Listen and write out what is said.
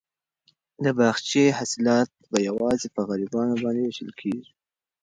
د باغچې حاصلات به یوازې په غریبانو باندې وېشل کیږي.